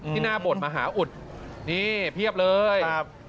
ที่หน้าบทมหาอุดนี่เพียบเลยครับ